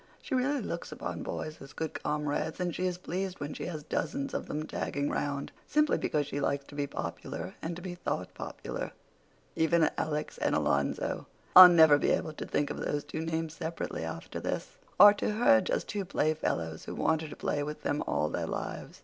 She really looks upon boys as good comrades, and she is pleased when she has dozens of them tagging round, simply because she likes to be popular and to be thought popular. Even Alex and Alonzo—I'll never be able to think of those two names separately after this—are to her just two playfellows who want her to play with them all their lives.